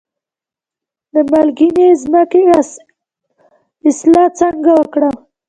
د مالګینې ځمکې اصلاح څنګه وکړم؟